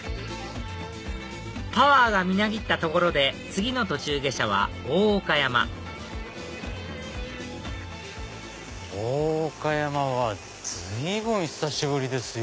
パワーがみなぎったところで次の途中下車は大岡山大岡山は随分久しぶりですよ。